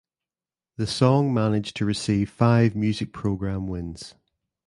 The song managed to receive five music program wins.